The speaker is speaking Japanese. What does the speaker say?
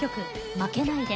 「負けないで」。